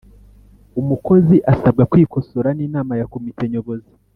Umukozi asabwa kwikosora n’inama ya komite nyobozi